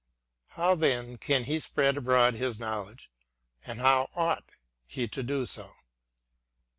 How then can he spread abroad his knowledge, and how ought he to do so?